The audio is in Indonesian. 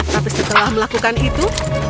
tapi setelah melakukan itu